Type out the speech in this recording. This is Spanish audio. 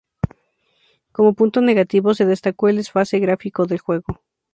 Como punto negativos se destacó el desfase gráfico del juego.